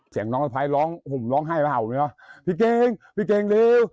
เสียงน้องสะพายร้องผมร้องให้พี่เกงพี่เกงเร็ว